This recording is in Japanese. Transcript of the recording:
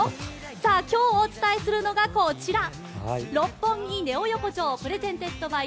今日お伝えするのが「六本木ネオ横丁ｐｒｅｓｅｎｔｅｄｂｙ